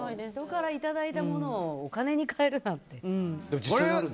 人からいただいたものをお金に変えるなんて。